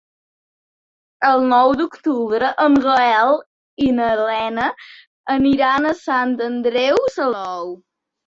El nou d'octubre en Gaël i na Lena aniran a Sant Andreu Salou.